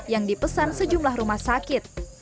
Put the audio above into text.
yang dipesan sejumlah rumah sakit